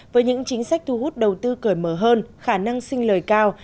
với những chính sách thu hút đầu tư cởi mở hơn khả năng sinh lời cao